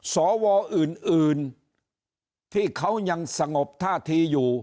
สวอื่นที่เขายังสงบท่าทีอยู่